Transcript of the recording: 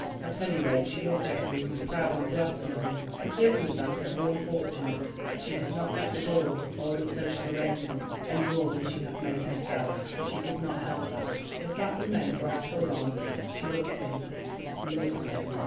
At any rate, she loved Geoffrey and was proud and glad to love him. The circumstances were unfortunate, but she did not make the world or its social arrangements any more than she had made herself, and she could not help that. The fact remained, right or wrong—she loved him, loved him!